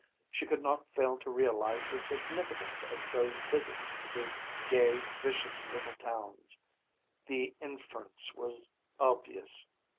She could not fail to realise the significance of those visits to the gay, vicious little towns. The inference was obvious.